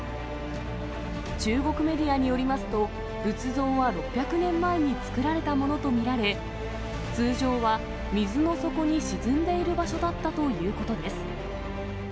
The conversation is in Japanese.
中国メディアによりますと、仏像は６００年前に作られたものと見られ、通常は水の底に沈んでいる場所だったということです。